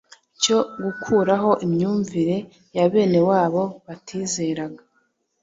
cyo gukuraho imyumvire ya bene wabo batizeraga